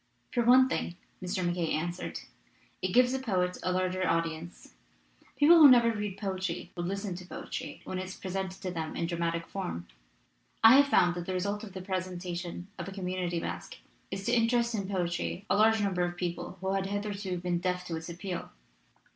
"For one thing," Mr. MacKaye answered, "it gives the poet a larger audience. People who never read poetry will listen to poetry when it is presented to them in dramatic form. I have found that the result of the presentation of a community masque is to interest in poetry a large number of people who had hitherto been deaf to its appeal.